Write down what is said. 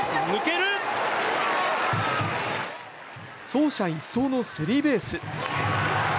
走者一掃のスリーベース。